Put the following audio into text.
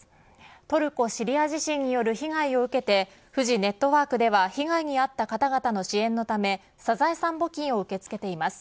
トルコ・シリア地震による被害を受けてフジネットワークでは被害に遭った方々の支援のためサザエさん募金を受け付けています。